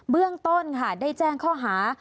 เรื่องต้นค่ะได้แจ้งข้อหา